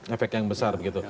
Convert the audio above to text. efek yang besar begitu